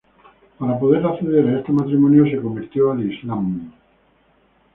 Para poder acceder a este matrimonio, se convirtió al Islam.